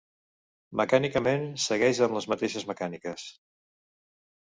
Mecànicament segueix amb les mateixes mecàniques.